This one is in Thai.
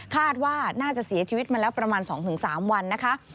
คาดว่าน่าจะเสียชีวิตมาแล้วประมาณ๒๓วันนะคะ